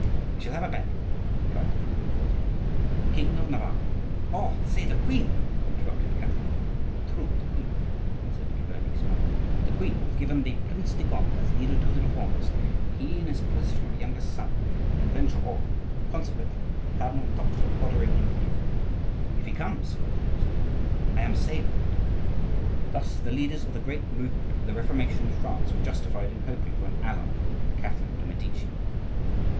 "We shall have a battle," replied the prudent courtier. "The king of Navarre—" "Oh! say the queen," interrupted Catherine. "True, the queen," said Chiverni, smiling, "the queen has given the Prince de Conde as leader to the Reformers, and he, in his position of younger son, can venture all; consequently the cardinal talks of ordering him here." "If he comes," cried the queen, "I am saved!" Thus the leaders of the great movement of the Reformation in France were justified in hoping for an ally in Catherine de' Medici.